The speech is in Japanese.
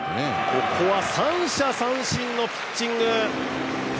ここは三者三振のピッチング。